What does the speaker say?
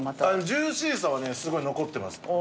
ジューシーさはねすごい残ってます。